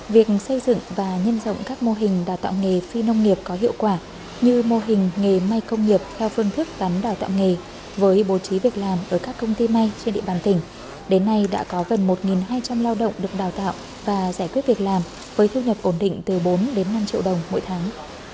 việc xây dựng và nhân rộng các mô hình đào tạo nghề phi nông nghiệp có hiệu quả như mô hình nghề may công nghiệp theo phương thức tán đào tạo nghề với bố trí việc làm ở các công ty may trên địa bàn tỉnh đến nay đã có gần một hai trăm linh lao động được đào tạo và giải quyết việc làm với thu nhập ổn định từ bốn đến năm triệu đồng mỗi tháng